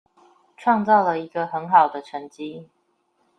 創造了一個很好的成績